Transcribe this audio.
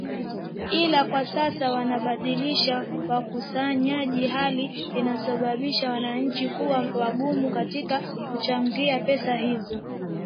ila kwa sasa wanabadilisha wakusanyaji hali inayosababisha wananchi kuwa wagumu katika kuchangia pesa hizo